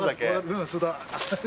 うんそうだ。